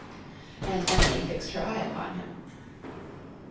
Aunt Emily fixed her eye upon him.